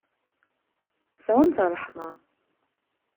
Sɛumt ṛṛeḥma.